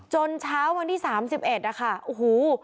จนเช้าวันที่๓๑น่ะค่ะอูหู